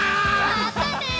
まったね！